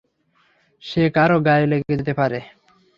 যে কারও গায়ে লেগে যেতে পারে।